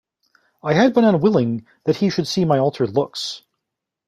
I had been unwilling that he should see my altered looks.